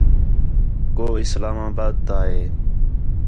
کُو اِسلام آباد تا ہے